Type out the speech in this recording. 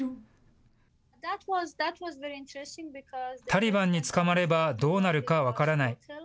タリバンに捕まればどうなるか分からない。